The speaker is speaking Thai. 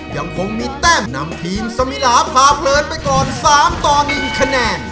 ยังคงมีแต้มนำทีมสมิลาพาเพลินไปก่อน๓ต่อ๑คะแนน